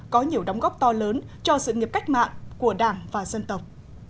có nhiều đóng góp to lớn cho sự nghiệp cách mạng của đảng và dân tộc